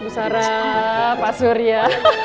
buktara pak surya